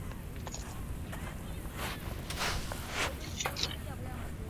Hiru mila urtez Europa osoko zelta nazioek ospatu izan dute.